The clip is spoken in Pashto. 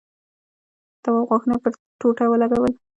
تواب غاښونه پر ټوټه ولگول.